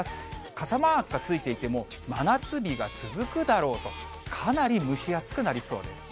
傘マークがついていても、真夏日が続くだろうと、かなり蒸し暑くなりそうです。